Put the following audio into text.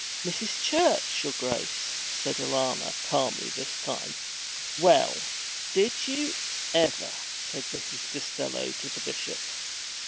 'Mrs. Church, your Grace,' said Alanna, calmly this time. 'Well, did you ever!' said Mrs. Costello to the Bishop.